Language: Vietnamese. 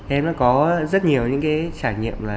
em có rất nhiều trải nghiệm